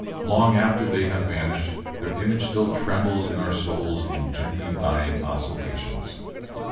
Long after they have vanished, their image still trembles in our souls in gently dying oscillations.